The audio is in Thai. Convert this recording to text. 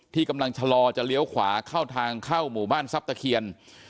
ที่กำลังชะลอจะเลี้ยวขวาเข้าทางเข้าหมู่บ้านทรัพตะเคียน